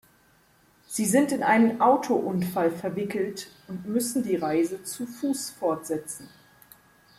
Sie sind in einen Autounfall verwickelt und müssen die Reise zu Fuß fortsetzen.